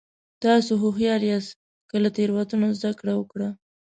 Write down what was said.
تاسو هوښیار یاست که له تېروتنو زده کړه وکړه.